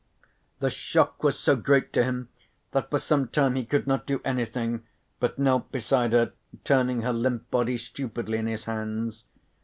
The shock was so great to him that for some time he could not do anything, but knelt beside her turning her limp body stupidly in his hands.